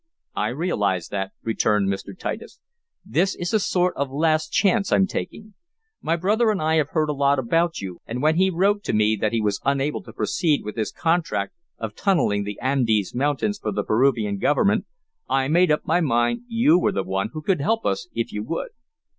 "I realize that," returned Mr. Titus. "This is a sort of last chance I'm taking. My brother and I have heard a lot about you, and when he wrote to me that he was unable to proceed with his contract of tunneling the Andes Mountains for the Peruvian government, I made up my mind you were the one who could help us if you would."